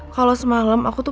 kalo semalam aku tuh